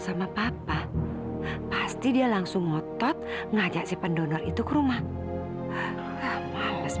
di mata saya kamu tuh nggak lebih dari pembawa sial